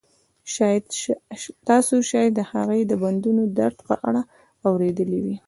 تاسو شاید د هغې د بندونو د درد په اړه اوریدلي وي